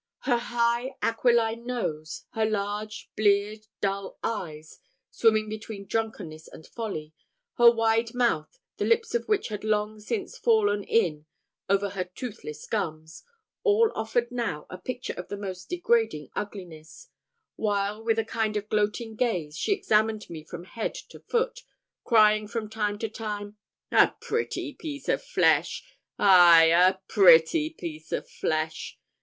Her high aquiline nose, her large bleared, dull eyes, swimming between drunkenness and folly, her wide mouth, the lips of which had long since fallen in over her toothless gums, all offered now a picture of the most degrading ugliness; while, with a kind of gloating gaze, she examined me from head to foot, crying from time to time, "A pretty piece of flesh! ay, a pretty piece of flesh!